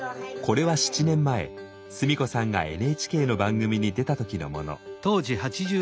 これは７年前須美子さんがＮＨＫの番組に出た時のもの。